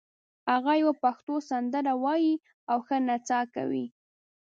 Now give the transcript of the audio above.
هغه یوه پښتو سندره وایي او ښه نڅا کوي